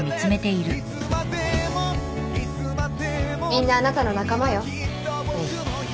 みんなあなたの仲間よメイ。